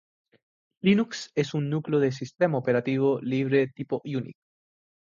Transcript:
Linux es un núcleo de sistema operativo libre tipo Unix.